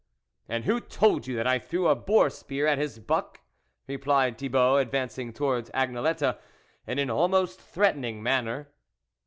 " And who told you that I threw a boar spear at his buck ?" replied Thi bault, advancing towards Agnelette in an almost threatening manner.